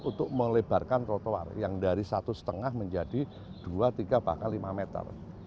untuk melebarkan trotoar yang dari satu lima menjadi dua tiga bahkan lima meter